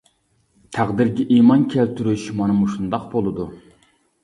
تەقدىرگە ئىمان كەلتۈرۈش مانا مۇشۇنداق بولىدۇ.